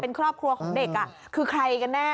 เป็นครอบครัวของเด็กคือใครกันแน่